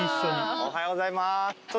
おはようございます。